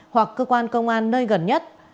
hoặc cơ quan công an nơi gần nhất